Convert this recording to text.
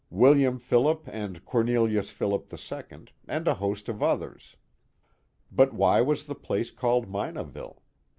William Phillip and Cornelius Phillip, the second, and a host of others. But why was the place called Minaville